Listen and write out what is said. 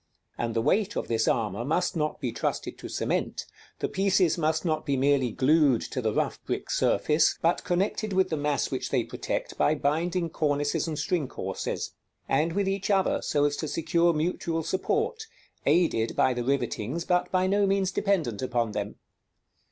And the weight of this armor must not be trusted to cement; the pieces must not be merely glued to the rough brick surface, but connected with the mass which they protect by binding cornices and string courses; and with each other, so as to secure mutual support, aided by the rivetings, but by no means dependent upon them.